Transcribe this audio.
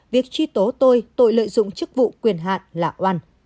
việc truy tố tôi tội lợi dụng chức vụ quyền hạn là oan